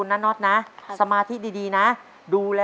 ต้นไม้ประจำจังหวัดระยองการครับ